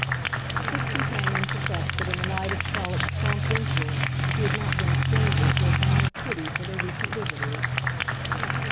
His companion professed that in the light of Charlotte's prompt influence she had not been a stranger to a pang of pity for their recent visitors.